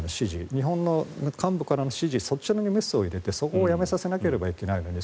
日本の幹部からの指示そちらにメスを入れてそこをやめさせなければいけないのに